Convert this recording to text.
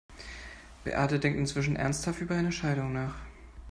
Beate denkt inzwischen ernsthaft über eine Scheidung nach.